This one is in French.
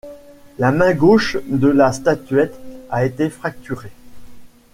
La main gauche de la statuette a été fracturée.